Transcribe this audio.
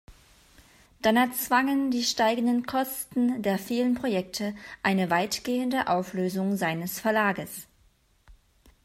Dann erzwangen die steigenden Kosten der vielen Projekte eine weitgehende Auflösung seines Verlages.